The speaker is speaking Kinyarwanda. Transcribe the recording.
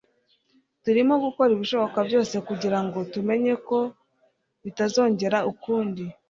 Turimo gukora ibishoboka byose kugirango tumenye ko bitazongera ukundi.